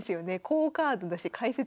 好カードだし解説